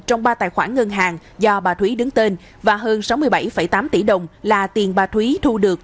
trong ba tài khoản ngân hàng do bà thúy đứng tên và hơn sáu mươi bảy tám tỷ đồng là tiền bà thúy thu được